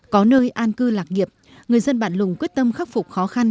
có nơi an cư lạc nghiệp người dân bản lùng quyết tâm khắc phục khó khăn